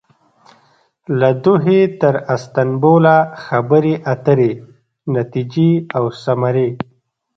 له دوحې تر استانبوله خبرې اترې ،نتیجې او ثمرې